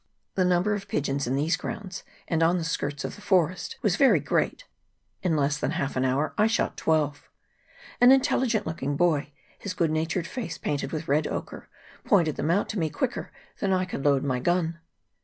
The number of pigeons in these grounds and on the skirts of the forest was very great ; in less than half an hour I shot twelve. An intelligent looking boy, his goodnatured face painted with red ochre, pointed them out to me quicker than I could load my gun.